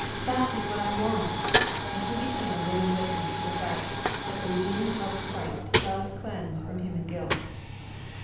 That is what I want!" And he became a living witness to the fact that the redeeming blood of Christ does cleanse from human guilt.'